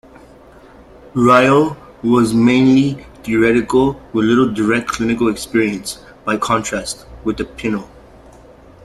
Reil was mainly theoretical, with little direct clinical experience, by contrast with Pinel.